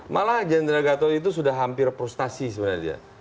malah jendera gatot itu sudah hampir prustasi sebenarnya